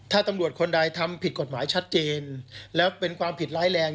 ถ้าตำรวจคนใดทำผิดกฎหมายชัดเจนแล้วเป็นความผิดร้ายแรง